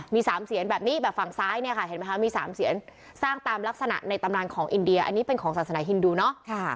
มี๓เสียนแบบนี้แบบฝั่งซ้ายเนี่ยค่ะเห็นไหมคะมี๓เสียงสร้างตามลักษณะในตำนานของอินเดียอันนี้เป็นของศาสนาฮินดูเนาะ